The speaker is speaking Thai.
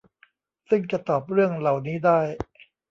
ซึ่งจะตอบเรื่องเหล่านี้ได้